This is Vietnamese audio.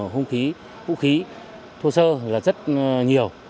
hông khí vũ khí thô sơ là rất nhiều